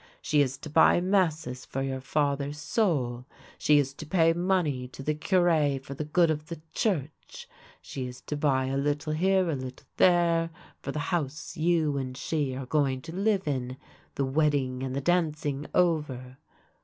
She is to buy masses for your father's soul ; she is to pay money to the Cure for the good of the Church ; she is to buy a little here, a little there, for the house you and she are going to live in, the wedding and the dancing over.